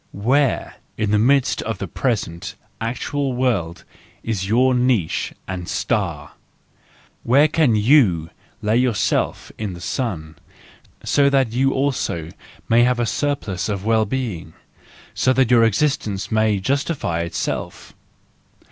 Where , in the midst of the present, actual world, is your niche and star ? Where can you lay yourself in the sun, so that you also may have a surplus of well being, that your existence may justify itself?